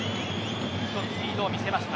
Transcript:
一つスピードを見せました。